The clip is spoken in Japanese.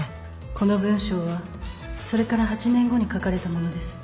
この文章はそれから８年後に書かれたものです